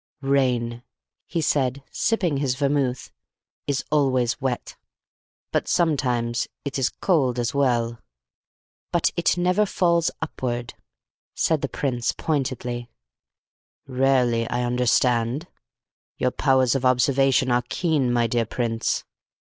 "Rain," he said, sipping his vermouth, "is always wet; but sometimes it is cold as well." "But it never falls upwards," said the Prince, pointedly. "Rarely, I understand. Your powers of observation are keen, my dear Prince."